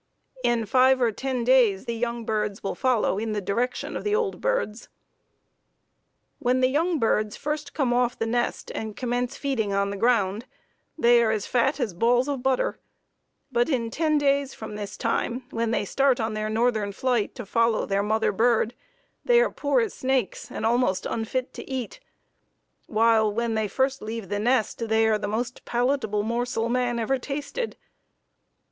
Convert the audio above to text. In five or ten days the young birds will follow in the direction of the old birds. When the young birds first come off the nest and commence feeding on the ground, they are fat as balls of butter, but in ten days from this time, when they start on their northern flight to follow their mother bird, they are poor as snakes, and almost unfit to eat, while, when they first leave the nest they are the most palatable morsel man ever tasted.